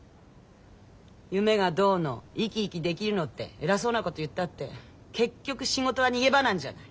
夢がどうの生き生きできるのって偉そうなこと言ったって結局仕事は逃げ場なんじゃない。